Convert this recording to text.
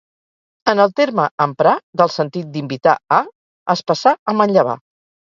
En el terme amprar, del sentit d’‘invitar a’ es passà a ‘manllevar’.